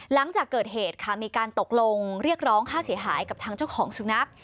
หลังจากเกิดเหตุค่ะมีการตกลงเรียกร้องค่าเสียหายกับทางเจ้าของสุนัข